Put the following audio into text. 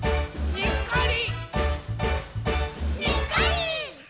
「にっこり！」